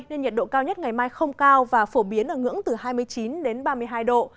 nên nhiệt độ cao nhất ngày mai không cao và phổ biến ở ngưỡng từ hai mươi chín đến ba mươi hai độ